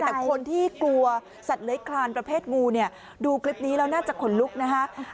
แต่คนที่กลัวสัตว์เล้ยครานประเภทงูดูคลิปนี้เราน่าจะขนลุกนะครับ